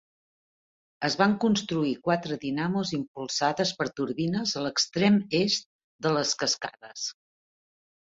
Es van construir quatre dinamos impulsades per turbines a l'extrem est de les cascades.